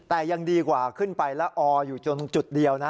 แต่ยังดีกว่าขึ้นไปแล้วออยู่จนจุดเดียวนะ